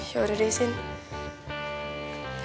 yaudah deh sini